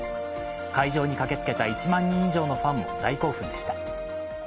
会場に駆けつけた１万人以上のファンも大興奮でした。